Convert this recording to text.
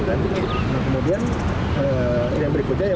dan kemudian yang berikutnya